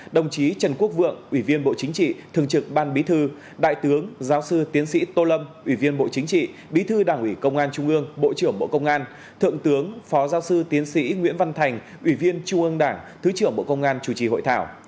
đồng chí trần quốc vượng ủy viên bộ chính trị thường trực ban bí thư đại tướng giáo sư tiến sĩ tô lâm ủy viên bộ chính trị bí thư đảng ủy công an trung ương bộ trưởng bộ công an thượng tướng phó giáo sư tiến sĩ nguyễn văn thành ủy viên trung ương đảng thứ trưởng bộ công an chủ trì hội thảo